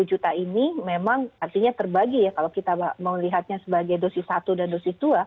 dua puluh juta ini memang artinya terbagi ya kalau kita mau lihatnya sebagai dosis satu dan dosis dua